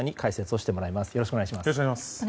よろしくお願いします。